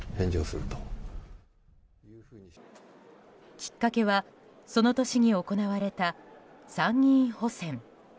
きっかけはその年に行われた参議院補選。